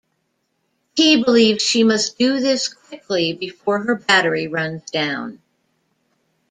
Key believes she must do this quickly before her battery runs down.